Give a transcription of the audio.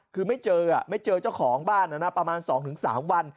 คือไม่เจอเจ้าของบ้านน่ะนะประมาณ๒๓วัน